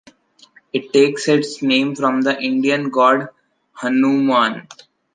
It takes its name from the Indian God Hanouman.